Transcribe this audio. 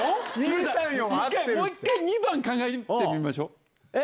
もう１回２番考えてみましょ。